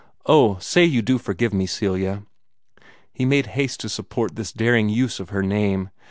Oh, say you do forgive me, Celia!" He made haste to support this daring use of her name.